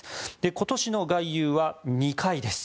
今年の外遊は２回です。